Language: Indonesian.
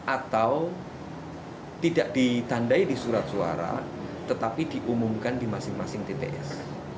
atau tidak ditandai di surat suara tetapi diumumkan di masing masing tts